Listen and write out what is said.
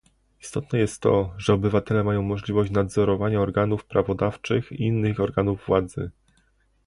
Istotne jest to, że obywatele mają możliwość nadzorowania organów prawodawczych i innych organów władzy